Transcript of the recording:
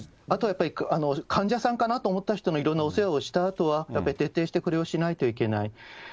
あとはやっぱり、患者さんかなと思った人のお世話をしたあとは、徹底してこれをしないといけない。